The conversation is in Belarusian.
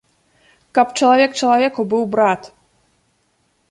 Каб чалавек чалавеку быў брат.